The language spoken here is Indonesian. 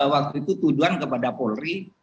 waktu itu tujuan kepada polri